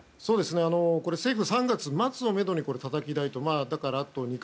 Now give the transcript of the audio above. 政府は３月末をめどにたたき台をと。